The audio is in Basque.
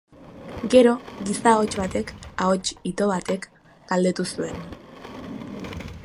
Gero giza ahots batek, ahots ito batek, galdetu zuen: